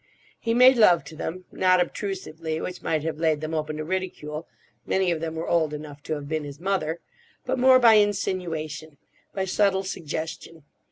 He made love to them, not obtrusively, which might have laid them open to ridicule—many of them were old enough to have been his mother—but more by insinuation, by subtle suggestion.